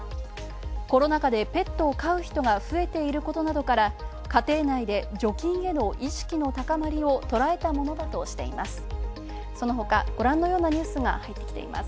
コロナ禍でペットを飼う人が増えていることから家庭内で除菌への意識の高まりを捉えたものだとしています。